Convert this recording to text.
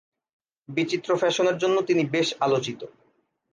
বিচিত্র ফ্যাশনের জন্য তিনি বেশ আলোচিত।